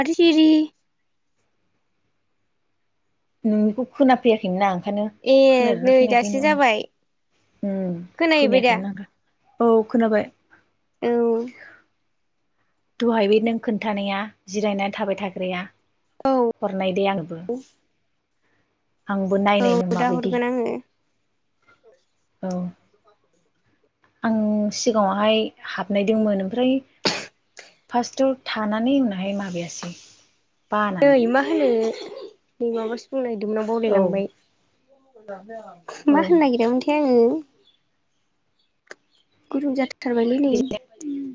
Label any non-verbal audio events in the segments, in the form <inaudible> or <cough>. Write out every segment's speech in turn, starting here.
माथो सिरि नोंनिखौ खोनाफैयाखैनो आं खायनो ए खोनादों ना नै खोनायाखै दासो न'न जाबाय उम खोनाहैबाय दा खोनायाखैमोन आं। औ खोनाबाय। औ दहाय बे नों खोन्थानाया जिरायनानै थाबाय थाग्राया। औ हरनाय दे आंबो आंबो औ नायनायनो दा माबायदि। हरगोन आङो औ आं सिगाङावहाय हाबनाय दंमोन ओमफ्राय फार्स्टआव थानानै उनावहाय माबायासै। बानानै ओइ मा होनो <unintelligible> माबासो बुंनो नागिरदोंमोन आं औ बावलायलांबाय। <inaudible> मा औ होननो नागिरदोंमोनथाय आङो गुदुं जा थारबायलै नै उम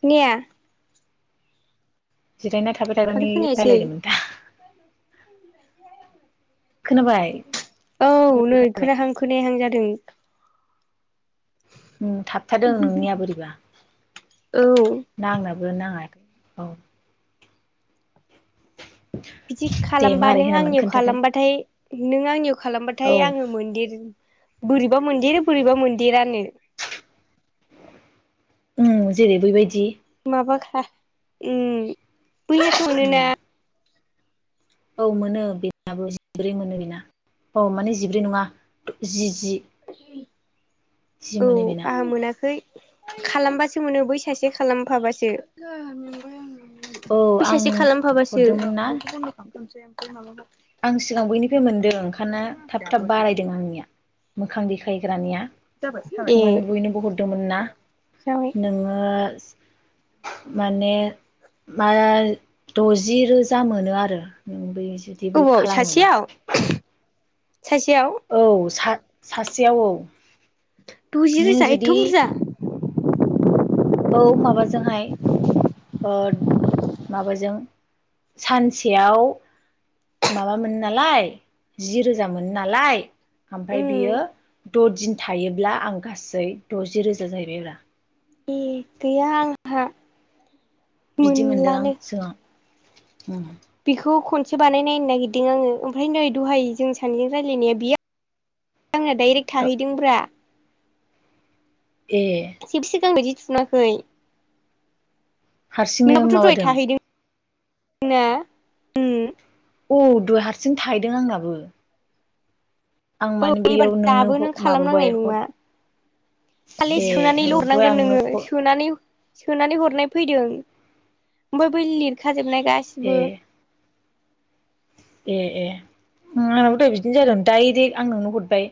खोनाया जिरायना थाबाय माथो थाग्रानि खोनायासै रायलायदोमोन दा खोनाबाय औ नै खोनाहां खोनायाहां जादों उम थाबथादों नोंनिया बोरैबा औ ना आंनाबो नाङाखै औ बिदि दे खालामबा मारै नों होनामोन आंनियाव खोन्थादो खालामबाथाय नों आंनियो खालामबाथाय औ आङो मोनदिर बोरैबा मोनदिर बोरैबा मोनदिरानो उम जेरै बैबायदि <unintelligible> उम उम <unintelligible> औ मोनो बेना बो जिब्रै मोनो बेना औ माने जिब्रै नङा जि जि <unintelligible> जि औ मोनो बेना आंहा मोनाखै खालामबासो मोनो बै सासे खालामफाबासो जा मेंबाय आङो औ आं बैसासे खालामफाबासो हरदोंमोन ना <unintelligible> आं सिगां बैनिफ्राय मोनदों ओंखाना थाब थाब बारायदों आंनिया मोखां देखायग्रा ए माने बयनोबो हरदोमोन ना जाबाय नोङो माने मा द'जि रोजा मोनो आरो नों बै जुदि बै गोबाव खालामोबा सासेयाव सासेयाव औ सा सासेयाव औ द'जि नों रोजा एथ' जुदि बुरजा औ माबाजोंहाय ओ माबाजों सानसेयाव माबा मोनो नालाय जि रोजा मोनो नालाय ओमफ्राय उम बियो द'दिन थायोब्ला आं गासै द'जि रोजा जाहैबायब्रा ए गैया आंहा बिदि मोनदों आं मोनलानो सिगां उम बेखौ खनसे बानायनायनो नागिरदों आङो ओमफ्राय नै दहाय जों सानैजों रायजलायनाया बियो आंनो डाइरेक्ट थाहैदोंब्रा ए <unintelligible> फिनाखै हारसिङै माबादों थाहैदों ना उम औ दहाय हारसिं थाहैदों आंनाबो आं औ माने एबार बेयाव नोंनो दाबो नों माबाबाय खालामनांनाय हर नङा खालि ए सोनानै औ ल दहाय हरनांगोन आं नोंनो नोङो हर सोनानै सोनानै हरनाय फैदों ओमफ्राय बै लिरखाजोबनाय ए गासिबो ए ए उ आंनाबो दहाय' बिदिनो जादों दडायरेक्ट आं नोंनो हरबाय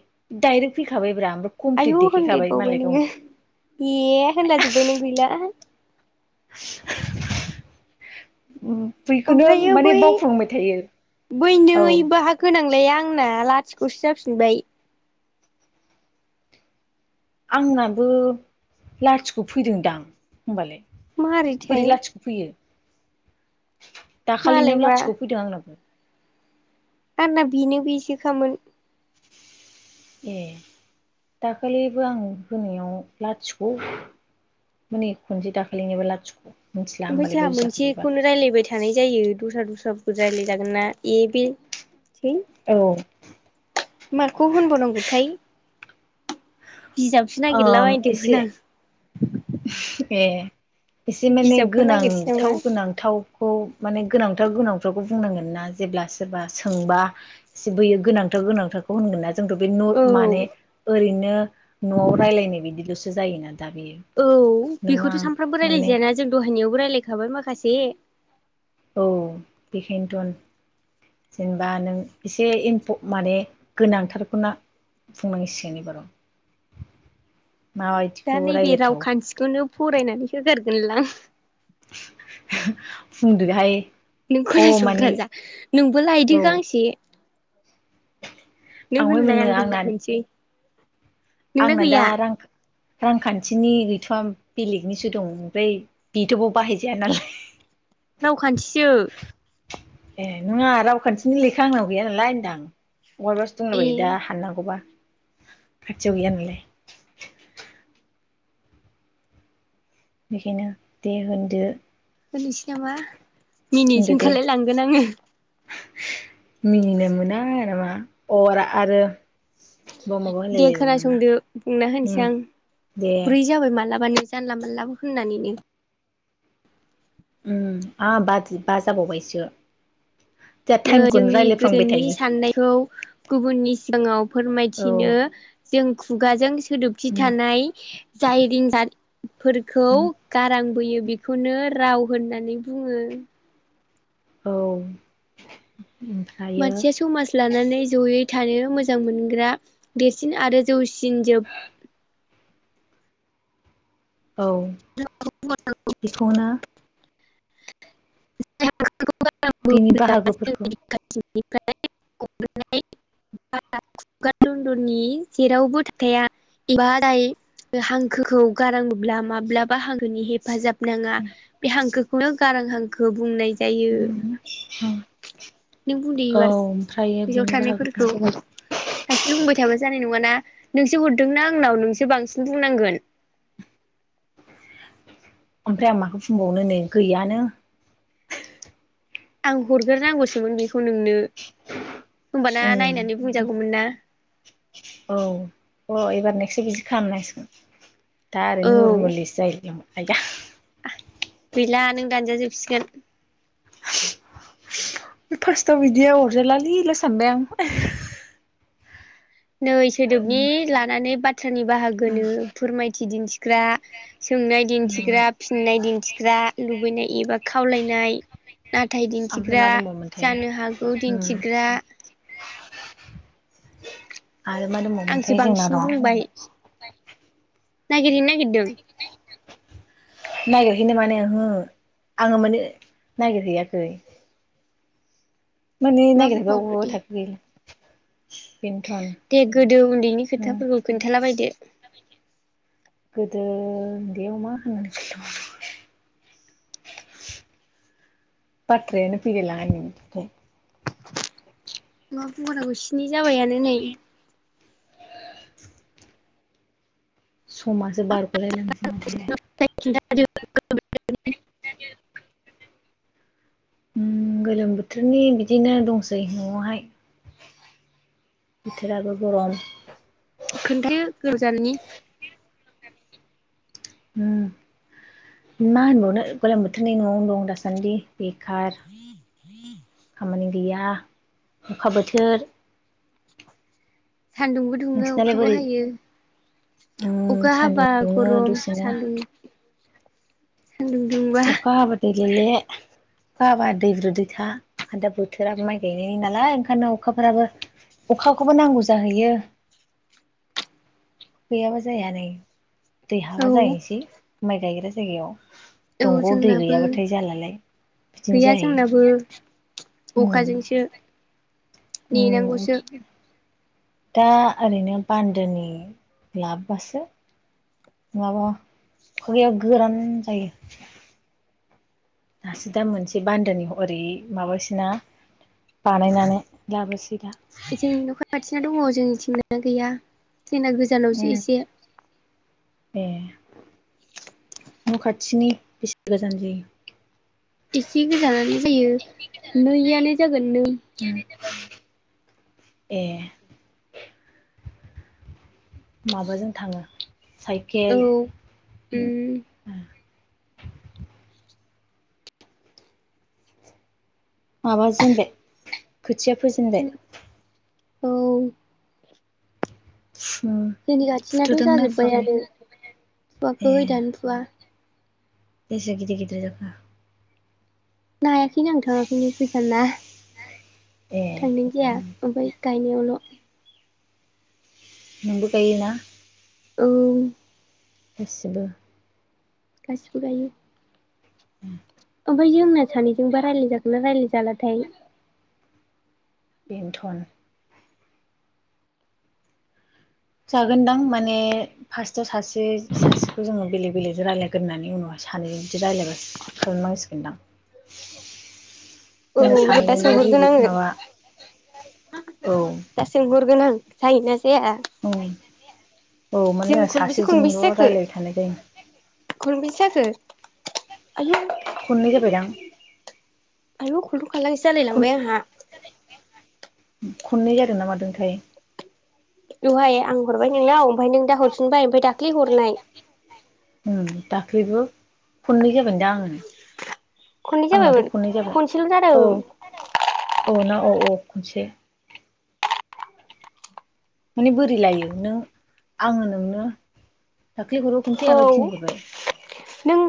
डाइरेक्ट फैखाबाय आयु होनदेरबावबाय नोङो ए होनला जोबबाय नों गैला उम ओमफ्रायो बै बै औ नै बाहा गोनां आंना लाथिख'सो जाफिनबाय आंनाबो लाथिख' फैदोंदां होमबालाय मारैथाय बोरै लाथिख' फैयो दाखालिनाव मालायबा लाथिख' फैदों आंनाबो आंना बिनो बेसो खामोन ए दाखालिबो आं होनायाव लाथिख' माने खनसे दाखालिनिबो लाथिख' मिथिला ओमफ्राय होमबालाय जोंहा बोरै जाखो बेबा मोनसेखौनो रायलायबाय थानाय जायो दस्रा द ब्रा <unintelligible> रायलाय जागोन ना इ बे औ <unintelligible> माखौ होनबावनांगौथाय बिजाबसो नागिरला एसे बायदोमोन आं ए एसे माने बिजाबखौ नागिरसै नामा गोनांथाव गोनांथावखौ माने गोनांथार गोनांथारखौ बुंनांगोन ना जेब्ला सोरबा सोंबा एसे बोयो गोनांथाव गोनांथारखौ होनगोन ना जोंथ' बे न औ माने ओरैनो न'आव रायलायनाय बिदिल'सै जायोना दा बे औ बेखौथ' सानफ्रामबो रायलायजायाना जों दहायनियाव रायलायखाबाय माखासे औ बेखायनोथ' जेनेबा नों एसे इनप' माने गोनांथारखौना बुंनांसिगोन एबार' दा नैबे रावखान्थिखौनो फरायनानै होगारगोन लां। बुंदो‌ हाय। नों खोनासंग्रा जा नोंबो औ लायदो गांसे। नों आंहाय होनलाय मोनो आं आंना होनलाय होनसै। नोंना आंना दा गैया रां रांखान्थिनि गैथया बेलेगनिसो दं। ओमफ्राय बेथ बाव बाहायजाया नालाय। रावखान्थिसो ए नङा रावखान्थिनि लेखा आंनाव गैया नालाय होनदां। बहायबासो ए दंलाबायो दा हाननांगौबा। खाथियाव गैया नालाय। बिखायनो दे होनदो। होनोसै नामा? मिनिनोसो होनदो दे ओंखारलाय लांगोन आङो। मिनिनो मोना नामा अ आरो बाव माबा दे होनलायलायबावो नामा खोनासंदो बुंना उम होनोसै आं। दे ब्रै जाबाय मालाबानो। जानला मोनलाबो होननानैनो उम आ बा बा जाबावबायसो। जोंहा टाइमखौनो जोंनि रायलायफ्लांबाय गोसोनि थायो साननायखौ गुबुननि सिगाङाव औ फोरमायथिनो जों खुगाजों सोदोबथि उम थानाय जाय दिन जालि फोरखौ उम गारांबोयो बेखौनो राव होननानै बुङो। औ ओमफ्रायो मानसिया समाज लानानै जयै थानो मोजां मोनग्रा देरसिन आरो जौसिन जोब औ बेखौनो <unintelligible> बिनि बाहागोफोरखौ <unintelligible> बेनिफ्राय खुगार दन्दनि जेरावबो थाब थाया एबा जाय हांखोखौ गारां बोयोब्ला माब्लाबा हांखोनि हेफाजाब नाङा बे हांखो नो गारां हांखो बुंनाय जायो नों बुंदो औ एबार ओमफ्रायो गोसोआव बिनि बाहागोफ्रा थानायफोरखौ। सासेल बुंबाय थाबा जानाय नङाना नोंसो हरदोंना आंनाव नोंसो बांसिन बुंनांगोन ओमफ्राय आं माखौ बुंबावनो नै गैयानो आं हरग्रोनांगौसोमोन बेखौ नोंनो होमबाना उम नायनानै बुंजागौमोन ना औ अ एबार नेक्स बिदि खालामनांसिगोन दा आरो औ नरमेलिसो जाहैदों आया गैला नों दानजाजोबसिगोन फार्स्टआव बिदिया अरजालालैल सानबाय आं नै सोदोबनि लानानै बा बाथ्रानि बाहागोनो फोरमायथि दिन्थि दिनथिग्रा सोंनाय दिन्थिग्रा फिननाय दिन्थिग्रा लुबैनाय एबा खावलायनाय नाथाय ओमफ्राय मा दिन्थिग्रा दंबावोमोनथाय जानो हागौ उम दिन्थिग्रा आरो मा आंसो दंबावोमोनथाय जोंना बांसिन र नागिरहैनो नागिरदों नागिरहैनो माने ओहो आङो माने नागिरहैयाखै माने मा नागिरबा अबे बुंबावनो अबेयावबा दे थाखो गैला बेनोथन दे गोदो उन्दैनि उम खोथाफोरखौ खोन्थालाबायदो गोदो उन्दैयाव मा होनना खोनथाबावनो बाथ्रायानो <unintelligible> मा बुंबावनांगौ स्नि जाबायानो नै समासो बारग'लायलांनोसै मानलाय <unintelligible> उम गोलोम बोथोरनि बिदिनो दंसै न'आवहाय बोथोराबो गरम खोन्थायो गोजाननि उम मा होनबावनो गलां बोथोरनि न'आवनो दं दासान्दि बे खार खामानि गैया अखा बोथोर सान्दुंबो दुङो नोंसिनालाय अखाबो बोरै हायो उम अखा सान्दुं हाबा दुङो गरम दसेनो सान्दुं सान्दुं दुंबा अखा हाबाथाय गेले गाबा दैब्रु दैैथा आरो दा बोथोराब माइ गायनायनि नालाय ओंखायनो अखाफोराबो अखाखौबो नांगौ जाहैयो गैयाबा जाया नै दैहाबा औ जाहैनोसै माइ गाइग्रा जायगायाव औ दंग'आव दै जोंनाबो गैयाब्लाथाय जालालाय बिदिनो गैया जोंनाबो जायो उम अखाजोंसो नेनांगौसो उम दा ओरैनो बान्दोनि लाबबासो माबा खुगायाव गोरान जायो दासो दा मोनसे बान्दोनि ओरै माबासै ना बानायनानै लाबोसै दा जोंनि न' <inaudible> खाथिना दङ जोंनिथिंना आनो गैया जोंना गोजानावसो उम एसे ए न' खाथिनि बेसे गोजान जायो एसे गोजानानो जायो नैयानो जाग <unintelligible> ए माबाजों थाङो साइकेल औ उम माबाजेनबाय खोथिया फोजेनबाय औ जोंनि खाथिनाथ' फुथुदोंना फुवाखै जाजोब्बायानो ए फुवाखै दानो फुवा बेसे गिदिर गिदिर जाखो नायाखैनो आं थाङाखैनो गोजान ना ए थांनाय जाया ओमफाय गायनायावल' नोंबो गायो ना औ गासिबो गासिबो गायो <unintelligible> ओमफाय जोंना सानैजोंबो रायलाय जागोना रायलायजालाथाय बेनोथन जागोनदां माने फार्स्टआव सासे सासेखौ जोङो बेलेग बेलेगजों रायज्लायग्रोन होननानै उनावाय सानैजों बिदि रायज्लायबा खालामनांसिगोनदां औ जोंना दा सानैजोंल' सोंहरगोन रिगुल आङो माबा औ दा सों गुरगोन <unintelligible> औ माने जों जोंहा खनबेसे सासेजोंल' खनबेसे जाखो रायज्लायबाय थानाय जायो खनबेसे जाखो <unintelligible> खननै जाबायदां आयो <unintelligible> <unintelligible> खन जालायलांबाय आंहा खननै जादोंना मादोंथाय दहाय आं हरबाय नोंनाव ओमफाय नों दा हरफिनबाय ओमफाय दाख्लै हरनाय ओं दाख्लैबो खननै जा दा आङो खननै आंनाथ' जाबायमोन खननै जाबाय खनसेल' औ जादों औ ना औ औ खनसे माने बोरै लायो नों आङो नोंनो दाख्लि हराव खनसे औ आमफाय थिनि हरबाय नों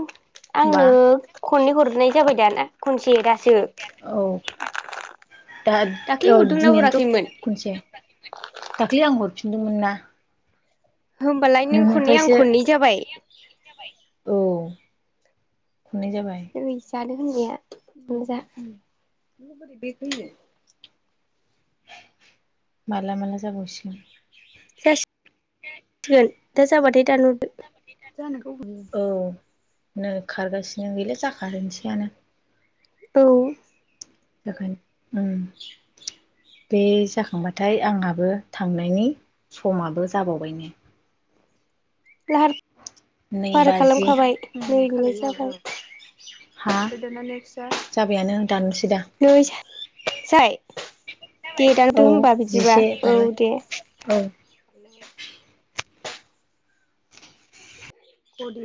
बा आंनो खननै हरनाय जाबाय दाना खनसे दासो औ दा दाख्लि औ हरदोंना दिनैनोथ' हराखैमोन खनसे दाख्लै आं हरफिनदोंमोन ना होमबालाय नों खननै आं नोंनिफ्रायसो खननै जाबाय औ खननै जाबाय ओइ <unintelligible> माला माला जाबावसिगोन <unintelligible> दाजाबाथाय दान <unintelligible> नो खारगासिनो गैला जाखागोनसैयानो औ बेखायनो उम बे जाखांबाथाय आंहाबो थांनायनि समाबो जाबावबाय नै लाहार नै फाहार बाजि खालामखाबाय <unintelligible> जाबाय हा गोदानानै फिसा जाबायानो दाननोसै दा नै साय दे दानदो औ होमबा बिदिबा जिसे औ खारबाय दे औ खदि